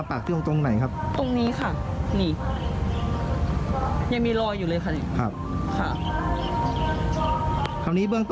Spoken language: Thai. เพื่อนหนูนะโดนแทง